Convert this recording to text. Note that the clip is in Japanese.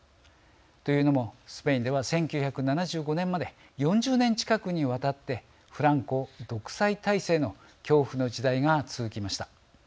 というのもスペインでは１９７５年まで４０年近くにわたってフランコ独裁体制の恐怖の時代が続きました。